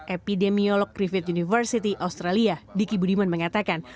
epidemiolog griffith university australia diki budiman mengatakan